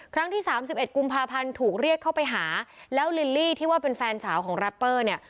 ครั้งที่สามสิบเอ็ดกุมภาพันธ์ถูกเรียกเข้าไปหาแล้วลิลลี่ที่ว่าเป็นแฟนสาวของแรปเปอร์เนี่ย